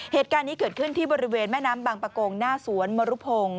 เหตุการณ์นี้เกิดขึ้นที่บริเวณแม่น้ำบางประกงหน้าสวนมรุพงศ์